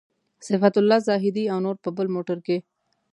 صفت الله زاهدي او نور په بل موټر کې.